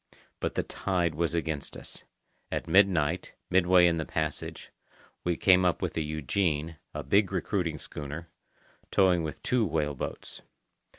But the tide was against us. At midnight, midway in the passage, we came up with the Eugenie, a big recruiting schooner, towing with two whale boats.